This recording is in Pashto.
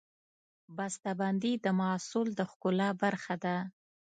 بستهبندي د محصول د ښکلا برخه ده.